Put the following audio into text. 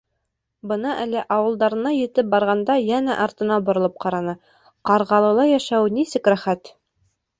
Бына әле ауылдарына етеп барғанында йәнә артына боролоп ҡараны: Ҡарғалыла йәшәү нисек рәхәт!